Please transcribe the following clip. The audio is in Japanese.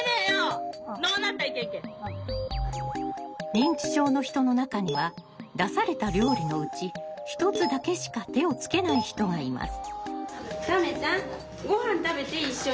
認知症の人の中には出された料理のうち一つだけしか手をつけない人がいます。